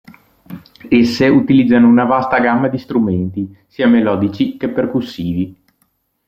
Esse utilizzano una vasta gamma di strumenti, sia melodici che percussivi.